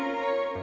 aku mau kemana